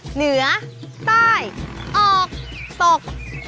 เหนือใต้ออกตก